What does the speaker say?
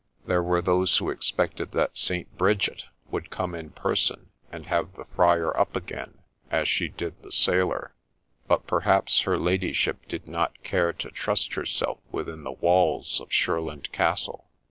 There were those who expected that St. Bridget would come in person, and have the friar up again, as she did the sailor ; but perhaps her ladyship did not care to trust herself within the walls of Shurland Castle.